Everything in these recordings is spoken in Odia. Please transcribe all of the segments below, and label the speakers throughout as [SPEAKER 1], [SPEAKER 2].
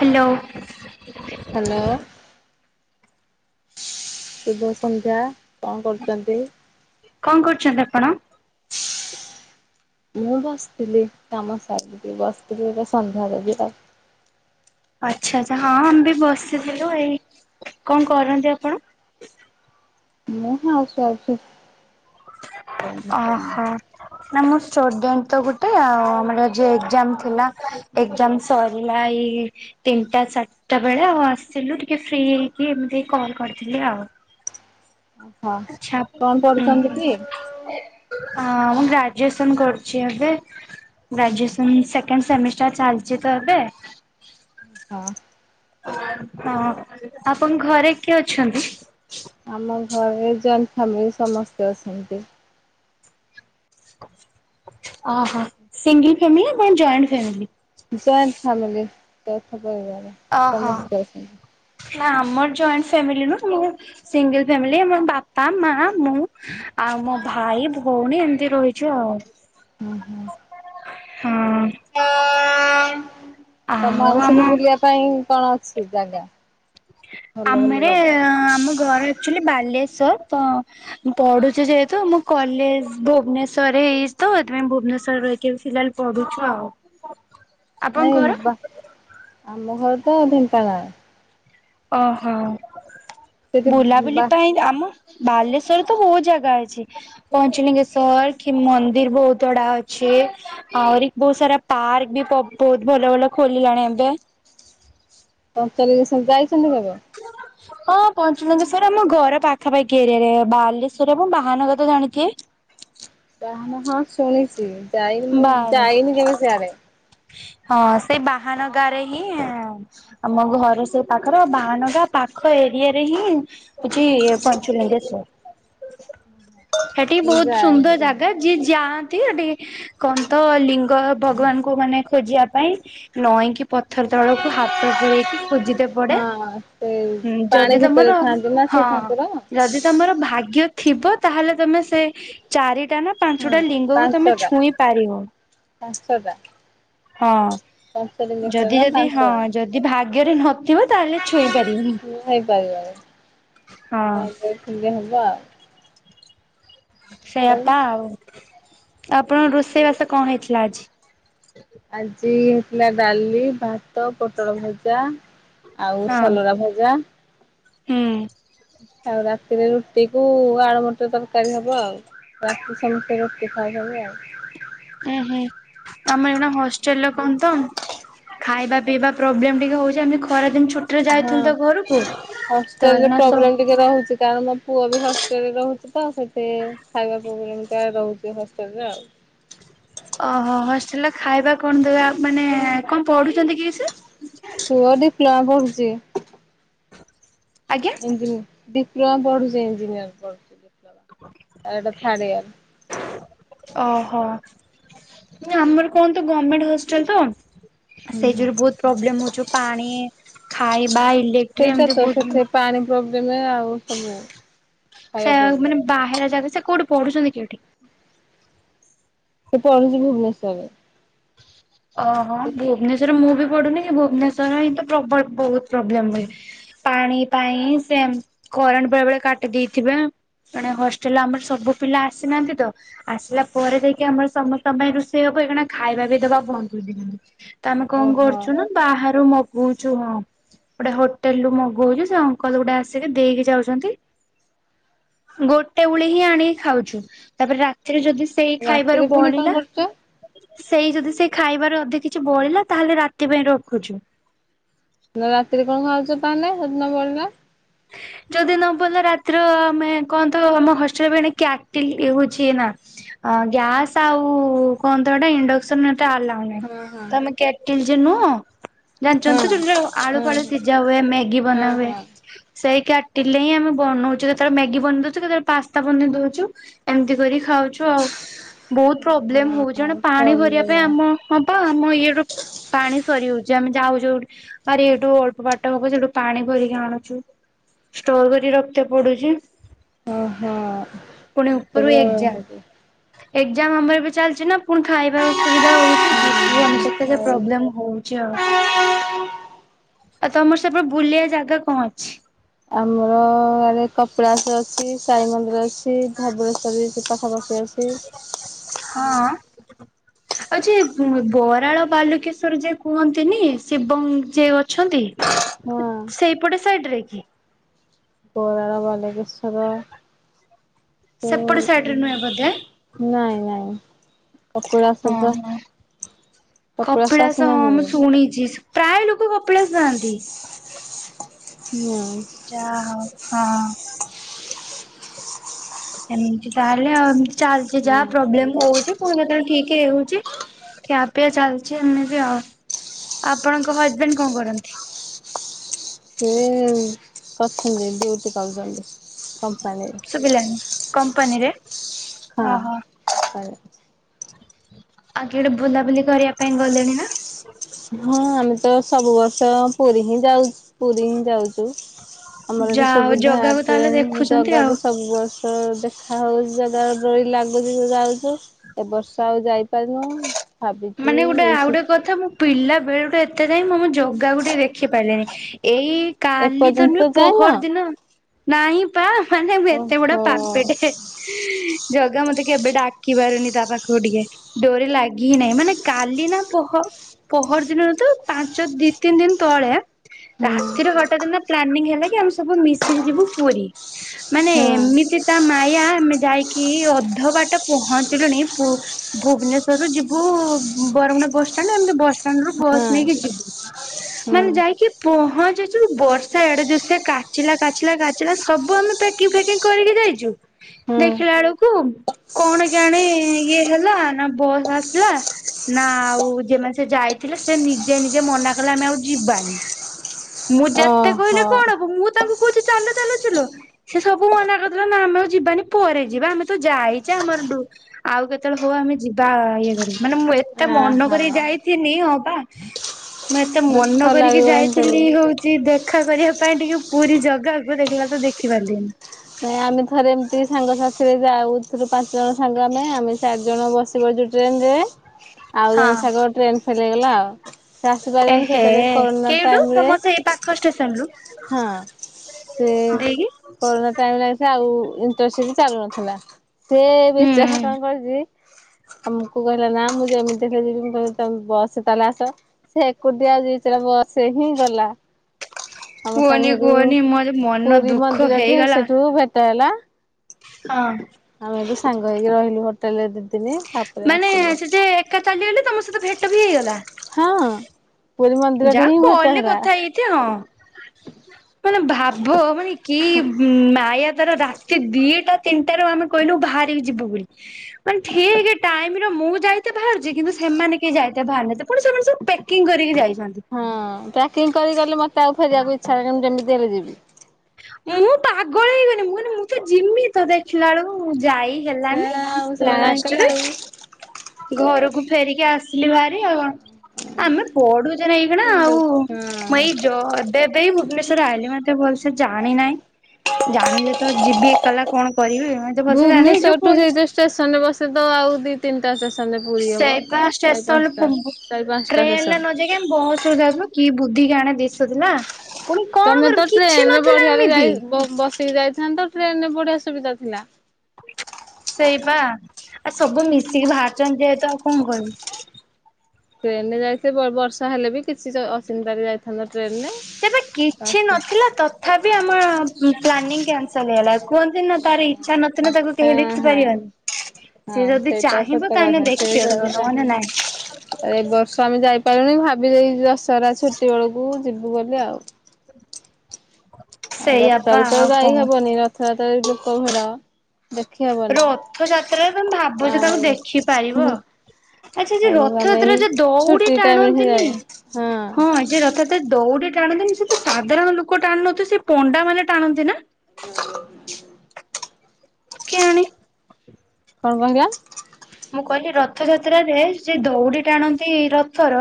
[SPEAKER 1] ହ୍ୟାଲୋ
[SPEAKER 2] ହ୍ୟାଲୋ ଶୁଭ ସନ୍ଧ୍ୟା କଣ କରୁଛନ୍ତି?
[SPEAKER 1] କଣ କରୁଛନ୍ତି ଆପଣ?
[SPEAKER 2] ମୁଁ ବସିଥିଲି କାମ ସାରିକି ବସିଥିଲି ଏବେ ସନ୍ଧ୍ୟା ଦେବି ତ
[SPEAKER 1] ଆଚ୍ଛା ଆଚ୍ଛା ହଁ ଆମେ ବି ବସିଥିଲୁ ଏଇ କଣ କରନ୍ତି ଆପଣ? [inaudible]
[SPEAKER 2] ଆଉ। ମୁଁ ହାଉସ ୱାଇଫ
[SPEAKER 1] ଓହୋ ନା ମୁଁ ଷ୍ଟୁଡେଣ୍ଟ ତ ଗୋଟେ ଆଉ ଆମର ଆଜି ଏକ୍ସାମ ଥିଲା ଏକଜାମ ସରିଲା ଏଇ ତିନିଟା ଚାରିଟା ବେଳେ ଆଉ ଆସିଥିଲୁ ଟିକେ ଫ୍ରି ହେଇକି ସେ କଲ କରିଥିଲେ ଆଉ
[SPEAKER 2] ହଁ
[SPEAKER 1] ଆଛା
[SPEAKER 2] କଣ
[SPEAKER 1] ଉଁ
[SPEAKER 2] ପଢୁଛନ୍ତି
[SPEAKER 1] ହୁଁ,
[SPEAKER 2] କି?
[SPEAKER 1] ହଁ ମୁଁ ଗ୍ରାଜୁଏସନ କରୁଛି ଏବେ ଗ୍ରାଜୁଏସନ ସେକେଣ୍ଡ ସେମିଷ୍ଟାର ଚାଲିଛି ତ ଏବେ।
[SPEAKER 2] ହଁ,
[SPEAKER 1] ହଁ ଆପଣ ଘରେ କିଏ ଅଛନ୍ତି?
[SPEAKER 2] ଆମ ଘରେ ଜଏଣ୍ଟ ଫ୍ୟାମିଲି ସମସ୍ତେ ଅଛନ୍ତି।
[SPEAKER 1] ଆ ହଁ ସିଙ୍ଗିଲ ଫ୍ୟାମିଲି ନାଁ ଜଏଣ୍ଟ ଫ୍ୟାମିଲି।
[SPEAKER 2] ଜଏଣ୍ଟ ଫ୍ୟାମିଲି ଯୌଥ ପରିବାର ସମସ୍ତେ ଅଛନ୍ତି।
[SPEAKER 1] ନାଁ ଆମର ଜଏଣ୍ଟ ଫାମିଲି ନୁହଁ ମୁଁ ସିଙ୍ଗିଲ ଫ୍ୟାମିଲି ମୋ ବାପା, ମାଆ, ମୁଁ ଆ ଆଉ ମୋ ଭାଇ ଭୋଉଣୀ ଏମତି ରହିଚୁ ଆଉ।
[SPEAKER 2] ହୁଁ ହୁଁ
[SPEAKER 1] ହଁ। ଆଉ
[SPEAKER 2] ତମଆଡେ
[SPEAKER 1] ଆମ
[SPEAKER 2] ସବୁ ବୁଲିବା ପାଇଁ କଣ ଅଛି ଜାଗା। ଭଲ ଭଲ
[SPEAKER 1] ଆମର
[SPEAKER 2] ଜାଗା
[SPEAKER 1] ଆମ ଘର ଆକଚୋଲି ବାଲେ ଶ୍ୱର ତ ମୁଁ ପଢୁଚି ଯେହେତୁ ମୋ କଲେଜ ଭୁବନେଶ୍ଵରରେ ହେଇଯାଇଚି ତ ସେଥିପାଇଁ ଭୁବନେ ନେଶ୍ୱରରେ ରହିକି ଫିଲାହାଲ୍ ପଢୁଚୁ ଆଉ। ଆପଣଙ୍କ
[SPEAKER 2] ନାଇଁ
[SPEAKER 1] ଘର
[SPEAKER 2] ବା ଆମ ଘର ତ ଢେଙ୍କାନାଳ।
[SPEAKER 1] ଓହୋ
[SPEAKER 2] ସେଠି
[SPEAKER 1] ବୁଲାବୁଲି
[SPEAKER 2] ବା
[SPEAKER 1] ପାଇଁ ଆମ ବାଲେଶ୍ଵରରେ ତ ବୋହୁତ ଜାଗା ଅଛି ପଞ୍ଚଲିଙ୍ଗେଶ୍ଵର ଖିମ ମନ୍ଦିର ବୋହୁତଗୁଡା ଅଛି। ଆହୁରି ବୋହୁତ ସାରା ପାର୍କ ବି ପ-ବୋହୁତ ଭଲ ଭଲ ଖୋଲିଲାଣି ଏବେ। [inaudible] [inaudible]
[SPEAKER 2] ପଞ୍ଚଲିଙ୍ଗେଶ୍ଵର ଯାଇଛନ୍ତି କେବେ?
[SPEAKER 1] ହଁ ପଞ୍ଚଲିଙ୍ଗେଶ୍ୱର ଆମ ଘର ପାଖାପାଖି ଏରିଆରେ ବାଲେଶ୍ଵର ଏବଂ ବାହାନଗା ତ ଜାଣିଥିବେ? ହ [inaudible]
[SPEAKER 2] ବାହାନ ହଁ ଶୁଣିଚି ଯାଇନି ମୁଁ ଯାଇନି କେବେ ସିଆଡେ।
[SPEAKER 1] ହ [inaudible] ହଁ ସେଇ ବାହାନଗାରେ ହିଁ ଆମ ଘର ସେଇ ପାଖରେ ଆଉ ବାହାନଗା ପାଖ ଏ ଏରିଆରେ ହିଁ ହୋଉଚି ପଞ୍ଚଲିଙ୍ଗେଶ୍ଵର। ସେଠି
[SPEAKER 2] ମୁଁ
[SPEAKER 1] ବୋହୁତ
[SPEAKER 2] ଯାଏ।
[SPEAKER 1] ସୁନ୍ଦର ଜାଗା ଯିଏ ଯାଆନ୍ ନ୍ତି ହେଠି କଣ ତ ଲିଙ୍ଗ ଭଗବାନଙ୍କୁ ମାନେ ଖୋଜିବା ପାଇଁ ନଇଁକି ପଥର ତଳକୁ ହାତ ପୁରେଇକି ଖୋଜିିତେ ପଡେ।
[SPEAKER 2] ହଁ ସେ
[SPEAKER 1] ହୁଁ
[SPEAKER 2] ପାଣି
[SPEAKER 1] ଯଦି
[SPEAKER 2] ଭିତରେ
[SPEAKER 1] ତମର
[SPEAKER 2] ଥାଆନ୍ତି ନା ସେ
[SPEAKER 1] ହଁ
[SPEAKER 2] ଠାକୁର।
[SPEAKER 1] ଯଦି ତମର ଭାଗ୍ୟ ଥିବ ତାହେଲେ ତମେ ସେ ଚାରି ଟାନା
[SPEAKER 2] ହଁ
[SPEAKER 1] ପାଞ୍ଚଟା ଲିଙ୍ଗକୁ ତମେ
[SPEAKER 2] ପାଞ୍ଚଟା
[SPEAKER 1] ଛୁଇଁ ପାରିବ।
[SPEAKER 2] ପାଞ୍ଚଟା
[SPEAKER 1] ହଁ
[SPEAKER 2] ପଞ୍ଚଲିଙ୍ଗେଶ୍ୱର
[SPEAKER 1] ଯଦି
[SPEAKER 2] ନା
[SPEAKER 1] ଯଦି ହଁ
[SPEAKER 2] ପାଞ୍ଚଟା।
[SPEAKER 1] ଯଦି ଭାଗ୍ୟରେ ନ ଥିବ ତାହେଲେ ଛୁଇଁପାରିବନି।
[SPEAKER 2] ହେଇପାରିବନି ଭାଗ୍ୟରେ ଥିଲେ ହେଲା ଆଉ।
[SPEAKER 1] ସେଇଆ ପା ଆଉ ଆ ଆପଣଙ୍କର ରୋଷେଇ ବାସ କଣ ହେଇଥିଲା ଆଜି?
[SPEAKER 2] ଥିଲା ଡାଲି, ଭାତ, ପୋଟଳ ଭଜା, ଆଉ
[SPEAKER 1] ହଁ
[SPEAKER 2] ସଲରା ଭଜା।
[SPEAKER 1] ହୁଁ।
[SPEAKER 2] ସେଥିରେ ରୁଟିକୁ ଆଳୁମଟର ତରକାରୀ ହବ ଆଉ ରାତି ସମସ୍ତେ ରୁଟି ଖାଇଦେବେ ଆଉ।
[SPEAKER 1] ଏହେ ଆମ ଏଇନା ହଷ୍ଟେଲରେ କଣ ତ ଖାଇବା ପିଇବା ପ୍ରୋବ୍ଲେମ ଟିକେ ହୋଉଚି ଆମେ ଖରାଦିନ ଛୁ
[SPEAKER 2] ହଁ
[SPEAKER 1] ତ
[SPEAKER 2] ହଷ୍ଟେଲରେ
[SPEAKER 1] ଏଇନା ସ
[SPEAKER 2] ପ୍ରୋବ୍ଲେମ ଟିକେ ରହୁଚି କାରଣ ମୋ ପୁଅ ବି ହଷ୍ଟେଲରେ ରହୁଚି ତ ସେଠି ଖାଇବା ପ୍ରୋବ୍ଲେମଟା ରହୁଚି ହଷ୍ଟେଲରେ ଆଉ।
[SPEAKER 1] ଓହୋ ହଷ୍ଟେଲରେ ଖାଇବା କଣ ଦେବା ମାନେ କଣ ପଢୁଚନ୍ତି କି ସେ?
[SPEAKER 2] ପୁଅ ଡିପ୍ଲୋମା ପଢୁଚି।
[SPEAKER 1] ଆଜ୍ଞା
[SPEAKER 2] ଇଞ୍ଜିନିୟରିଙ୍ଗ ଡିପ୍ଲୋମା ପଢୁଚି ଇଞ୍ଜିନିୟରିଙ୍ଗ କରୁଚି। ଆ ଏଟା ଥାଡ ଇଅର।
[SPEAKER 1] ଓହୋ ଆମର କଣନ୍ତ ଗର୍ମେଣ୍ଟ ହଷ୍ଟେଲ ତ ସେ ଯୋରୁ ବୋହୁତ ପ୍ରୋବ୍ଲେମ ହୋଉଚି ପାଣି ଖାଇ ବା ଇଲେକଟ୍ରି ଏମତି ବୋହୁତ
[SPEAKER 2] ପ୍ରୋବ୍ଲେମେ ଆଉ ସବୁ ଖାଇବା
[SPEAKER 1] ସେୟା
[SPEAKER 2] ପ୍ରୋବ୍ଲେମ।
[SPEAKER 1] ମାନେ ବାହାର ଜାଗା ସେ କୋଉଠି ପଢୁଛନ୍ତି କେଉଠି?
[SPEAKER 2] ସେ ପଢୁଚି ଭୁବନେଶ୍ୱରରେ।
[SPEAKER 1] ଓହୋ ଭୁବନେଶ୍ଵରରେ ମୁଁ ବି ପଡୁନି କି ଭୁବନେଶ୍ୱର ହିଁ ତ ପ୍ରବଳ ବୋହୁତ ପ୍ରୋବ୍ଲେମ ହୁଏ ପାଣି ପାଇଁ ସିଏ କରେଣ୍ଟ ବେଳେବେଳେ କାଟି ଦେଇଥିବେ। ଏଣେ ହଷ୍ଟେଲରେ ଆମର ସବୁ ପିଲା ଆସିନାହାନ୍ତି ତ ଆସିଲା ପରେ ଯାଇକି ଆମର ସମସ୍ତଙ୍କ ପାଇଁ ରୋଷେଇ ହବ ଏଇଖିଣା ଖାଇବା ବି ଦେବା ବନ୍ଦ ହଛି ତ ଆମେ କଣ
[SPEAKER 2] ଓହୋ
[SPEAKER 1] କରୁଛୁ ନା ବାହାରୁ ମଗଉଛୁ ହଁ। ଗୋଟେ ହୋଟେଲରୁୁ ମଗଉଛୁ ସେ ଅଙ୍କଲ ଗୋଟେ ଆସିକି ଦେଇକି ଯାଉଛନ୍ତି। ଗୋଟେ ଉଳି ହିଁ ଆଣିକି ଖାଉଛୁ ତାପରେ ରା ତିରେ ଯଦି ସେଇ ଖାଇବାରୁ
[SPEAKER 2] ରାତିରେ ପୁଣି କଣ
[SPEAKER 1] ବଳିଲା।
[SPEAKER 2] କରୁଛ?
[SPEAKER 1] ସେଇ ଯଦି ସେ ଖାଇବାରେ ଅଧେ କିଛି ବଳିଲା ତାହେଲେ ରାତି ପାଇଁ ରଖୁଛୁ।
[SPEAKER 2] ରାତିରେ କଣ ଖାଉଛ ତାହେଲେ ସେଦିନ ନ ବଳିଲା।
[SPEAKER 1] ଯଦି ନ ପିଲ ରାତିରେ ଆମେ କହନ୍ତୁ ଆମ ହଷ୍ଟେଲ କ୍ୟାଟିନ୍ ହେଉଛି ନା ଅ ଗ୍ୟାସ୍ ଆଉ କନ୍ତ ଏଇଟା ଇଣ୍ଡକ୍ସନରେ ଟା ହେଲା ନହିଁ
[SPEAKER 2] ହଁ ହଁ
[SPEAKER 1] ତମେ କେଟିଲ ଯେ ନୁହଁ। ଜାଣିଛ
[SPEAKER 2] ହଁ
[SPEAKER 1] ତୁ ଯୋଟ ଆଳୁ
[SPEAKER 2] ହଁ ହଁ
[SPEAKER 1] ଫଳୁ ସିଝା ହୁଏ ମ୍ୟାଗି ବନା
[SPEAKER 2] ହଁ
[SPEAKER 1] ହୁଏ।
[SPEAKER 2] ହଁ।
[SPEAKER 1] ସେଇ କେଟିଲେ ହିଁ ଆମେ ବନଉଛୁ କେତେବେଳ ମେଗି ବନେଇ ଦଉଛୁ କେତେବେଳେ ପାସ୍ତା ବନେଇ ଦଉଛୁ ଏମିତି କରିକି ଖାଉଛୁ ଆଉ। ବହୁତ ପ୍ରୋବ୍ଲେମ ହଉଛି ଏଣେ ପାଣି ଭରିବା ପାଇଁ ଆମ ହଁ ବା ଆମ ଇଏ ର ପାଣି ସରି ଯାଉଛି ଆମେ ଯାଉଛୁଠି ଆାର ଏଇଠୁ ଅଳ୍ପ ବାଟ ହବ ସେଠୁ ପାଣି ଭରିକି ଆଣୁଛୁ। ଷ୍ଟୋର କରି ରଖତେ ପଡୁଛି ପୁଣି ଉପର ଏକ୍ଜାମ। ଏକ୍ଜାମ ଆମର ବି ଚାଲିଛି ନା ପୁଣି ଖାଇବା ଅସୁବିଧା ହଉଛି କୁହନି କେତେ
[SPEAKER 2] ଆଉ
[SPEAKER 1] ପ୍ରୋବ୍ଲେମ ହଉଛି ଆଉ।। ଆଉ ତମର ସେପଟ ବୁଲିବା ଜାଗା କଣ ଅଛି
[SPEAKER 2] ଆମର ଗରେ କପିଳାସ ଅଛି ସାଇ ମନ୍ଦିର ଅଛି ଧବଳେଶ୍ଵରୀ। ଖବସ
[SPEAKER 1] ହଁ।
[SPEAKER 2] ଅସି।
[SPEAKER 1] [inaudible] ଆଉ ଯେ ବରାଳ ବାଲୁକେଶ୍ଵର ଯି କୁହନ୍ତିନି ଶିବ ଯିଏ ଅଛନ୍ତି।
[SPEAKER 2] ହଁ
[SPEAKER 1] ସେଇପଟେ ସାଇଡ ରେ କି
[SPEAKER 2] ଗୋରାର ବାଲଗେଶର ଓ
[SPEAKER 1] ସେପଟେ ସାଇଡ ରେ ନୁହେଁ ବୋଧେ?
[SPEAKER 2] ନାଇଁ ନାଇଁ। କକୁଳା
[SPEAKER 1] ହଁ
[SPEAKER 2] ସଭା
[SPEAKER 1] ହଁ। କପିଳାସ ହଁ ମୁଁ ଶୁଣିଛି ପ୍ରାୟ ଲୋକ କପିଳାସ ଯଆନ୍ତି।
[SPEAKER 2] ନାଁ।
[SPEAKER 1] ଯା ହଉ ହଁ। ଏମତି ତାହେଲେ ଏମତି ଚାଲିଚ
[SPEAKER 2] ନା
[SPEAKER 1] ଯାହା ପ୍ରୋବ୍ଲେମ ହଉଛି। ହଁବେ ତାହଲେ ଠିକ ହଉଛି ଖିଆପିଆ ଚାଲିଛି ଏମିତି ଆଉ ଆପଣଙ୍କ ହଜବେଣ୍ଡ କଣ କରନ୍ତି।
[SPEAKER 2] ସେ କରିଛନ୍ତି ଡି୍ୟଉଟି କରୁଛନ୍ତି କମ୍ପାନୀରେ।
[SPEAKER 1] ଶୁଭିଲାନି କମ୍ପାନୀରେ।
[SPEAKER 2] ହଁ।
[SPEAKER 1] ଆଉଗ ଗୋଟେ ବୁଲାବୁଲି କରିବା ପାଇଁ ଗଲେଣି ନା
[SPEAKER 2] ହଁ ଆମେ ତ ସବୁ ବର୍ଷ ପୁରୀ ହିଁ ଯାଉଛ ପୁରୀ ହିଁ ଯାଉଛୁ। ଆମର ଏଠି
[SPEAKER 1] ଯାହା ହଉ
[SPEAKER 2] ସୁବିଧା
[SPEAKER 1] ଜଗାକୁ ତାହେଲେ
[SPEAKER 2] ଟ୍ରେନ
[SPEAKER 1] ଦେଖୁଛନ୍ତି ଆଉ।
[SPEAKER 2] ଜାଗାକୁ ସବୁ ବର୍ଷ ଦେ ହଉ ଜାଗା ଡଳି ଲାଗୁଛି ତ ଯାଉଛୁ ଏ ବର୍ଷା ଆଉ ଯାଇପାରୁନୁ
[SPEAKER 1] ମାନେ ଗୋଟେ ଆଉ ଗୋଟେ କଥା ମୋ ପିଲା ବେଳୁ ଏତେ ଯାଏ ମୁଁ ମୋ ଜଗାକୁୁ ଟିକେ ଦେଖି ପାରିଲିନି ଏଇ କାଲି ତ
[SPEAKER 2] ଏପର୍ଯ୍ୟନ୍ତ
[SPEAKER 1] ନୁହେଁ
[SPEAKER 2] ଯାଇନ
[SPEAKER 1] ପହରଦିନ ନାଇଁ ପା। ମାନେ ମୁଁ ଏତେ ବଡ
[SPEAKER 2] ଓହୋ
[SPEAKER 1] ପାପିଟେ ଜଗା ମତେ କେବେ ଡାକି ପାରୁନି ତା ପାଖକୁ ଟିକେ ଡୋରି ଲାଗି ହିଁ ନାହିଁ ମାନେ କାଲି ନା ପହ ପହରଦିନତ ପାଞ୍ଚ ଦି ତିନି ଦିନି ତଳେ।
[SPEAKER 2] ହୁଁ ହଁ
[SPEAKER 1] ରାତିରେ ହଠାତ୍ ନା ପ୍ଲାନିଙ୍ଗ୍ ହେଲା କି ଆମେ ସବୁ ମିଶିକି ଯିବୁ ପୁରୀ ମାନେ ଏମିତି ତା ମାୟା ଆମେ ଯାଇକି କି ଅଧ ବାଟ ପହଞ୍ଚିଲୁଣି ଭୁବନେଶ୍ଵରରୁୁ ଯିବୁ ହୁ ବରମୁଣ୍ଡା ବସ୍ ଷ୍ଟାଣ୍ଡ ଆମେ ବସଷ୍ଟାଣ୍ଡ ରୁ ବସ୍
[SPEAKER 2] ହଁ
[SPEAKER 1] ନେଇକି ଯିବୁ
[SPEAKER 2] ହଁ
[SPEAKER 1] ମାନେ ଯାଇକି ପହଞ୍ଚିଚୁ ବର୍ଷା ଏଡ଼େ ଯୋରେ ସେ କାଚିଲା କାଚିଲା କାଚିଲା ସବୁ ଆମେ ପ୍ରାକିଙ୍ଗ୍ ଫାକିଙ୍ଗ୍ କରିକି ଯାଇଚୁ
[SPEAKER 2] ହୁଁ
[SPEAKER 1] ଦେଖିଲା ଆଳକୁ କଣ କିଆନି ଇଏ ହେଲା। ନା ବସ୍ ଆସିଲା । ନା ଆଉ ଯେମାନେ ସେ ଯାଇଥିଲେ ସେ ନିଜେ ନିଜେ ମନା କଲେ ଆମେ ଆଉ ଯିବାନି । ମୁଁ ଯେତେ କହିଲେ
[SPEAKER 2] ଓହୋ
[SPEAKER 1] କଣ ହବ ମୁଁ ତାଙ୍କୁ କହୁଛି ଚାଲ ଚାଲ ଚାଲ ସେ ସବୁ ମନା କରିଦେଲେ ନା । ଆମେ ଆଉ ଯିବାନି ପରେ ଯିବା ଆମେ ତ ଯାଇଚେ ଆମର ଡୁ ଆଉ କେତେ ବେଳେ ହଉ ଆମେ ଯିବା ଇଏ କରି । ମାନେ ମୁଁ ଏତେ
[SPEAKER 2] ଆହା
[SPEAKER 1] ମନକରିକି ଯାଇଥିଲି ହଁ ପା । ମୁଁ ଏତେ ମନ
[SPEAKER 2] ଦୁଃଖ
[SPEAKER 1] କରିକି
[SPEAKER 2] ଲାଗିବ
[SPEAKER 1] ଯାଇଥିଲି
[SPEAKER 2] ଏମିତିରେ।
[SPEAKER 1] ହଉଛି ଦେଖ। ଦେଖା କରିବା ପାଇଁ ଟିକେ ପୁରୀ ଜାଗାକୁ ଦେଖିଲା ତୁ ଦେଖି ପାରିଲିନି।
[SPEAKER 2] ନାଇଁ ଆମେ ଥରେ ଏମିତି ସାଙ୍ଗସାଥିରେ ଯାଉଥିଲୁ ପାଞ୍ଚ ଜଣ ସାଙ୍ଗ ଆମେ ଚାରି ଜଣ ବସି ପଡିଥ ଥିଲୁ ଟ୍ରେନ ରେ ଆଉ
[SPEAKER 1] ହଁ
[SPEAKER 2] ଜଣ ସାଙ୍ଗ ଟ୍ରେନ ଫେଲ୍ ହେଇଗଲା ଆଉ । ସେ ଆସି ପାଇଲାନି
[SPEAKER 1] ଏହେ
[SPEAKER 2] ସେତେବେଳେ କରୋନା
[SPEAKER 1] କେଉଠୁ
[SPEAKER 2] ଟାଇମ୍ ରେ
[SPEAKER 1] ତମ ସେଇ ପାଖ ଷ୍ଟେସନ ରୁ
[SPEAKER 2] ହଁ । ସେ
[SPEAKER 1] ଦେଇକି?
[SPEAKER 2] କରୋନା ଟାଇମ୍ ରେ । ଆଉ ଇଣ୍ଟର ସିପ୍ ଚାଲୁନଥିଲା ସେ ବିଚାରା କଣ
[SPEAKER 1] ହୁଁ
[SPEAKER 2] କରିଛି । ଆମକୁ କହିଲା ନା ମୁଁ ଯେମିତି ହେଲେ ଯିବି ମୁଁ କହିଲି ତମେ ବସ୍ ରେ ତାହେଲେ ଆସ । ସେ ଏକୁଟିିଆ ବିଚରା ବସ ରେ ହିଁ ଗଲା । ଆମ ସାଙ୍ଗେ
[SPEAKER 1] କୁହନି
[SPEAKER 2] ସେଠୁ
[SPEAKER 1] କୁହନି ମୋର ମନ
[SPEAKER 2] ପୁରୀ
[SPEAKER 1] ଦୁଃଖ
[SPEAKER 2] ମନ୍ଦିର ଟେ
[SPEAKER 1] ହେଇଗଲା
[SPEAKER 2] ସେଠୀ । ଭେଟ ହେଲା ।
[SPEAKER 1] ହଁ ।
[SPEAKER 2] ଏବେ ସାଙ୍ଗ ହେଇକି ରହିଲୁ ହୋଟେଲରେ ଦି ଦିନ । ଦିନ ତାପରେ
[SPEAKER 1] ମାନେ
[SPEAKER 2] ଆସିଲୁ
[SPEAKER 1] ସେ ଯେ ଏକା ଚାଲିଗଲେ ତମ ସହିତ ଭେଟ ବି ହେଇଗଲା।
[SPEAKER 2] ହଁ । ପୁରୀ ମନ୍ଦିରରେ
[SPEAKER 1] ଯାହା
[SPEAKER 2] ହିଁ ଭେଟ
[SPEAKER 1] କଲରେ
[SPEAKER 2] ହେଲା।
[SPEAKER 1] କଥା ହେଇଛି ହଁ। ମାନେ ଭାବ ମାନେ କି ମାୟା । ରାତି ଦିଟା ତିନିଟା ରୁ ଆମେ କହିଲୁ ଭାରିକି ଯିବୁ ବୋଲି ମାନେ ଠିକ୍ ଟାଇମ୍ । ମୁଁ ଯାଇତେ ବାହାରୁଛି କିନ୍ତୁ ସେମାନେ କେହି ଯାଇତେ ବାହାରୁନାନ୍ତି ପୁଣି ସେମାନେ ସବୁ ପେକିଙ୍ଗ୍ କରି ।
[SPEAKER 2] ହଁ ପାକିଙ୍ଗ କରି ଗଲେ ମତେ ଆଉ ଫେରିବାକୁ ଇଚ୍ଛା ହୁଏନା ମୁଁ ଯେମିତି ହେଲେ ଯିବି ।
[SPEAKER 1] ମୁଁ ପାଗଳ ହେଇଗଲିି ମୁଁ କଇଲି ମୁ ତ ଯିମି ତ ଦେଖିଲା ବେଳକୁ ଯାଇ ।
[SPEAKER 2] ସେ
[SPEAKER 1] ହେଲାନି
[SPEAKER 2] ଆଉ ସେମାନେ ନାହିଁ କଲେ
[SPEAKER 1] ଲାଷ୍ଟରେ
[SPEAKER 2] ଆଉ
[SPEAKER 1] । ଘରକୁ ଫେରିକି ଆସିଲି ଭାରି ଆଉ କ। ଆମେ ପଡୁଛେ ନା ଏଇଖୀଣା
[SPEAKER 2] ହଁ।
[SPEAKER 1] ଆଉ ମୁଁ ଏଇ ଯ ଏବେ ଏବେ ହିଁ ଭୁବନେଶ୍ୱର । ରହିଲି ମୁ ଏତେ ଭଲସେ ଜାଣି ନହିଁ । ଜାଣିଲେ ତ ଯିବି ଏକଲା କଣ କରିବି ମୁଁ ତ ଭଲସେ ଜାଣିନି ସେଇ
[SPEAKER 2] ଭୁବନେଶ୍ୱରଠୁ
[SPEAKER 1] ଯୋଗୁ ପଲେଇ ଆସିଲି
[SPEAKER 2] ସେଇଠୁ ଷ୍ଟେସନରେ ବସେ ତ
[SPEAKER 1] ।
[SPEAKER 2] ଆଉ ଦିତିନି ଟା ।
[SPEAKER 1] ସେପା ଷ୍ଟେସନ ପୁରବୁ
[SPEAKER 2] ଚାରି ପାଞ୍ଚଟା ଷ୍ଟେସନ।
[SPEAKER 1] ଟ୍ରେନରେ ନଯାଇକି ଆମେ ବସ ଯାଉଥିଲୁ କି । ବୁଦ୍ଧି କାଣେ ଦିଶୁ ଥିଲା ପୁଣି କଣ
[SPEAKER 2] ତମେ ତ
[SPEAKER 1] କରିବୁ କିଛି
[SPEAKER 2] ଟ୍ରେନରେ
[SPEAKER 1] ନଥିଲା
[SPEAKER 2] ବଢିଆରେ ଯାଇ
[SPEAKER 1] ଏମିତି ।
[SPEAKER 2] ବ ବସିକି ଯାଇଥାନ୍ତ ତ ଟ୍ରେନ ରେ ବଢିଆ ସୁବିଧା ଥିଲା। ।
[SPEAKER 1] [inaudible] ସେଇପା ଆ ସବୁ ମିଶିକି ଭାରି ଚନ୍ତି ଯେହେତୁ ଆଉ କଣ କରିବୁ ।
[SPEAKER 2] ଟ୍ରେନ ରେ ଯାଇଥିଲେ ବର୍ଷା ହେଲେ ବି କିଛି ଅଚିନତାରେ ଯାଇଥାନ୍ତ। ଟ୍ରେନରେ।
[SPEAKER 1] ସେବା କିଛି
[SPEAKER 2] ହଁ
[SPEAKER 1] ନଥିଲା ତଥାପି ଆମ । ପ୍ଲାନିଂ କ୍ୟାନସଲ ହେଇଗଲା କୁହନ୍ତି ନା ତାର ଇଚ୍ଛା ନଥିନେ ତାକୁ କେହି ଦେଖି
[SPEAKER 2] ହଁ
[SPEAKER 1] ପାରିବନି ।
[SPEAKER 2] ହଁ ସେଇଟା ସତ କଥା ସେ
[SPEAKER 1] ତାକୁ
[SPEAKER 2] ଯଦି ନ
[SPEAKER 1] ନହେଲେ ନାହିଁ।
[SPEAKER 2] ଚାହିଁବ ଏ ବର୍ଷ ଆମେ ଯାଇ ପାରି। ବୁନିି ଭାବି ଦେଇଛୁ ଦଶହରା ଛୁଟି ବେଳକୁ ଯିବୁ ବୋଲି ଆଉ। ଆଉ ର ରଥା
[SPEAKER 1] ସେଇଆପା
[SPEAKER 2] କୁ ତ
[SPEAKER 1] ଆଉ
[SPEAKER 2] ଯାଇ
[SPEAKER 1] କଣ
[SPEAKER 2] ହବନି ରଥଯାତ୍ରା ରେ ଲୋକ ଭିଡ। ଦେଖି ହବନି
[SPEAKER 1] ରଥଯାତ୍ରାରେ ତମେ ଭାବୁଛ
[SPEAKER 2] ଆଉ
[SPEAKER 1] ତାକୁ ଦେଖି ପାରିବ। ଆଚ୍ଛା ଯେ
[SPEAKER 2] ଆଉ ଆମେ
[SPEAKER 1] ରଥଯାତ୍ରା
[SPEAKER 2] ଏଇ
[SPEAKER 1] ରେ ଯୋଉ ଦଉଡି
[SPEAKER 2] ଛୁଟି ଟାଇମରେ ହିଁ
[SPEAKER 1] ଟାଣନ୍ତିନି
[SPEAKER 2] ଯାଉ
[SPEAKER 1] ହଁ ଯେ ରଥଯାତ୍ରା ଦଉଡି। ଟାଣନ୍ତିନି ସେ ତ ସାଧାରଣ ଲୋକ ଟାଣୁ ନଥିବେ ସେ ପଣ୍ଡା ମାନେ ଟାଣନ୍ତି ନା।
[SPEAKER 2] [unintelligible]
[SPEAKER 1] କେଆଣି।
[SPEAKER 2] କଣ ପାଇଁକା ।
[SPEAKER 1] ମୁଁ କହିଲି ରଥଯାତ୍ରାରେ ସେ ଦଉଡି ଟାଣନ୍ତି ରଥର।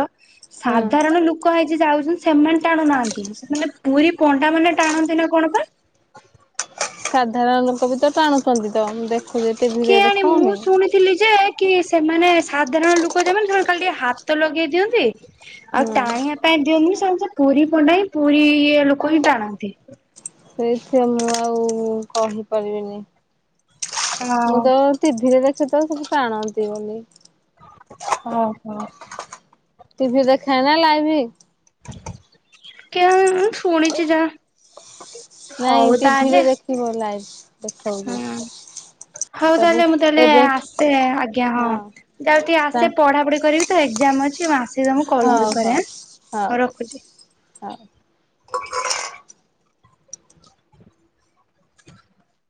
[SPEAKER 2] ହଁ
[SPEAKER 1] ସାଧାରଣ ଲୋକ ହେଇ ଯ ଯାଉଛନ୍ତି ସେମାନେ ଟାଣୁନାହାନ୍ତି ସେମାନେ। ପୁରୀ ପଣ୍ଡା ମାନେ ଟାଣନ୍ତି ନା କଣ ପା?
[SPEAKER 2] ସାଧାରଣ ଲୋକ ବି ତ ଟାଣୁଛନ୍ତି ତ ଦେ
[SPEAKER 1] କେଜାଣି ମୁଁ ଶୁଣିଥିଲି ଯେ କି ସେମାନେ ସାଧାରଣ ଲୁକ ଯୋଉମାନେ ସେମାନେ ଖାଲି ଟିକେ ହାତ ଲଗେଇ ଦିଅନ୍ତି ଆଉ
[SPEAKER 2] ହୁଁ
[SPEAKER 1] ଟାଣିଆ ପାଇଁ ପାଇଁ ଦିଅନ୍ତିନି ସେମାନେ ପୁରୀ ପଣ୍ଡା ହିଁ ପୁରୀ ଇଏ ଲୋକ ହିଁ ଟାଣନ୍ତି।
[SPEAKER 2] ସେଇଥି ମୁଁ ଆଉ କହିପାରିବିନି।
[SPEAKER 1] ହଁ
[SPEAKER 2] ମୁଁ ତ ଟିଭିରେ ଦେଖେ ତ ସବୁ ଟାଣନ୍ତି ବୋଲି।
[SPEAKER 1] ଓ ହୋ।
[SPEAKER 2] ଟିଭି ଦେଖା ନା ଲାଇଭି।
[SPEAKER 1] [unintelligible] ମୁଁ ଶୁଣିଛି ଯାହା।
[SPEAKER 2] ନାଇଁ
[SPEAKER 1] ହଉ ତାହେଲେ
[SPEAKER 2] ଟିଭିିରେ ଦେଖିବ ଲାଇଭ୍। ହଉ ହଉ।
[SPEAKER 1] ହୁଁ। ହଉ ତାହେଲେ ମୁଁ ତାହେଲେ ଆସେ ଆଜ୍ଞା ହଁ। ଯାଉଚି ଟିକେ ଆସେ ପଢାପଢି କରିବି ତ ଏକ ଆସିଲେ ମୁଁ କଲ କରିବି
[SPEAKER 2] ହଉ
[SPEAKER 1] ପରେ
[SPEAKER 2] ହଉ
[SPEAKER 1] ଆଁ ହଉ ରଖୁଛି।
[SPEAKER 2] ହଉ।
[SPEAKER 1] [inaudible]